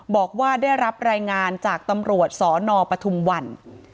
บอกว่าได้รับรายงานจากตำรวจสนปทุมวัน